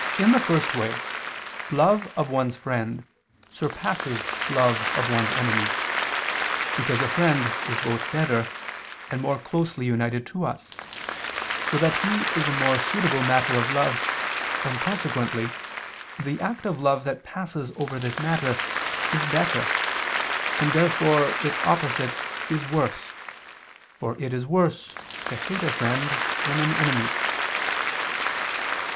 In the first way, love of one's friend surpasses love of one's enemy, because a friend is both better and more closely united to us, so that he is a more suitable matter of love and consequently the act of love that passes over this matter, is better, and therefore its opposite is worse, for it is worse to hate a friend than an enemy.